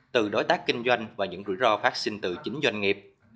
từ đối tác kinh doanh và những rủi ro phát sinh từ chính doanh nghiệp